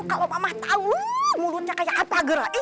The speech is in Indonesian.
kalo mama tau mulutnya kaya apa gerai